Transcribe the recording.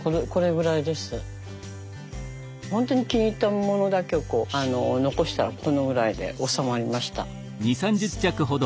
本当に気に入ったものだけを残したらこのぐらいで収まりました。